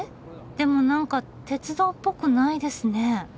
でも何か鉄道っぽくないですね。